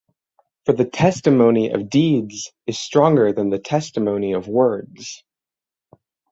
For the testimony of deeds is stronger than the testimony of words.